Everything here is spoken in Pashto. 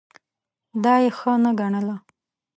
دا یې ښه نه ګڼله.